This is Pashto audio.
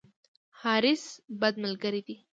حرص، بد ملګری دی.